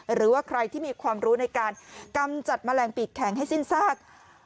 หรือว่าใครที่มีความรู้ในการกำจัดแมลงปีกแข็งให้สิ้นซาก